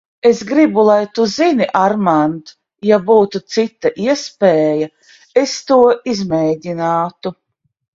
Es gribu, lai tu zini, Armand, ja būtu cita iespēja, es to izmēģinātu.